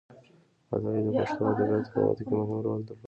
عطایي د پښتو ادبياتو په وده کې مهم رول درلود.